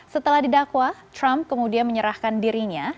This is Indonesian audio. setelah didakwa trump kemudian menyerahkan dirinya